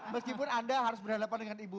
meskipun anda harus berhadapan dengan ibu